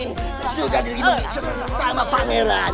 nah ini sudah dilimiti sesama pameran